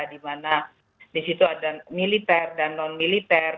dimana disitu ada militer dan non militer